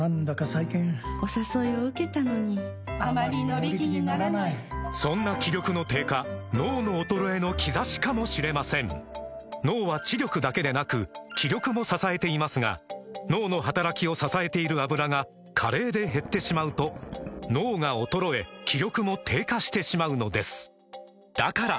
脳の衰えの兆しかもしれません脳は知力だけでなく気力も支えていますが脳の働きを支えている「アブラ」が加齢で減ってしまうと脳が衰え気力も低下してしまうのですだから！